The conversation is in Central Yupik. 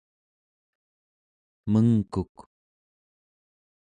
mengkuk